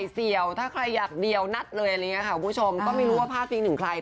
เสี่ยวถ้าใครอยากเดียวนัดเลยก็ไม่รู้ว่าพาดจริงถึงใคร